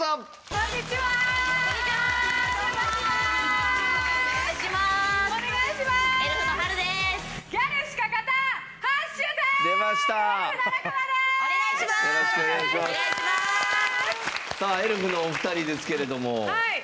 さあエルフのお二人ですけれども。